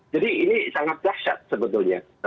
jadi ini sangat jahat sebetulnya